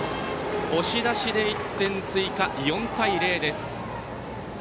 押し出しで１点追加、４対０です。